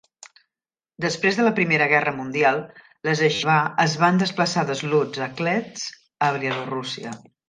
Després de la Primera Guerra Mundial, les ieixivà es van desplaçar de Slutsk a Kletsk a Bielorússia.